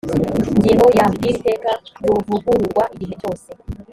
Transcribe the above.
ngingo ya y iri teka ruvugururwa igihe cyose